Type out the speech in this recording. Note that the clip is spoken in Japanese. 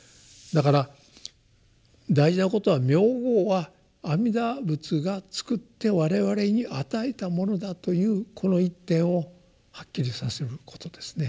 だから大事なことは名号は阿弥陀仏がつくって我々に与えたものだというこの一点をはっきりさせることですね。